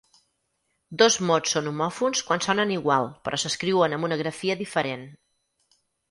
Dos mots són homòfons quan sonen igual però s'escriuen amb una grafia diferent.